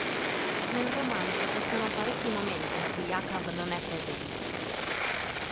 Nel romanzo vi sono parecchi momenti in cui Achab non è presente.